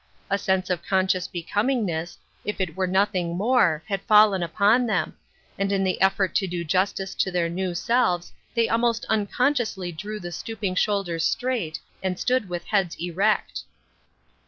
A sense of conscious becomingness, if it were nothing more, had fallen upon them^ and in the effort to do justice to their new selves they almost unconsciously drew the stooping shoulders straight and stood with heads erect.